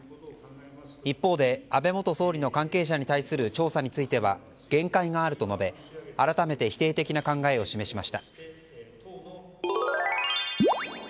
一方で安倍元総理の関係者に対する調査については限界があると述べ改めて否定的な考えを示しました。